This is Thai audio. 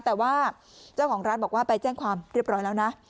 แต่ว่าเจ้าของร้านบอกว่าไปแจ้งความเรียบร้อยแล้วนะ